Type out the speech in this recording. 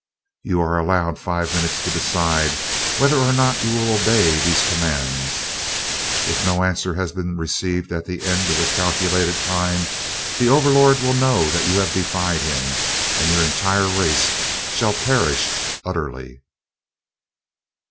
"You are allowed five minutes to decide whether or not you will obey these commands. If no answer has been received at the end of the calculated time the Overlord will know that you have defied him, and your entire race shall perish utterly.